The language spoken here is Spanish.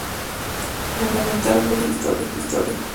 Fundamental fue su "España en su historia.